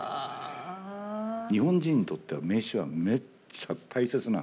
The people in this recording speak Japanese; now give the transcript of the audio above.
日本人にとっては名刺はめっちゃ大切なんですよ。